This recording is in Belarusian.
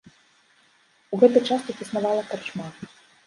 У гэты час тут існавала карчма.